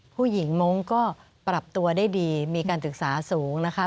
มงค์ก็ปรับตัวได้ดีมีการศึกษาสูงนะคะ